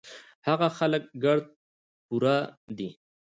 هغه خلک ګړد پوره دي